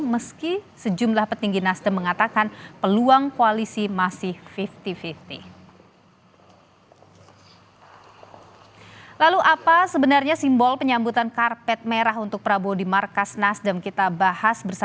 meski sejumlah petinggi nasdem mengatakan peluang koalisi masih lima puluh lima puluh